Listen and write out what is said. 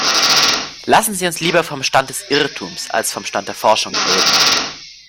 Lassen Sie uns lieber vom Stand des Irrtums als vom Stand der Forschung reden.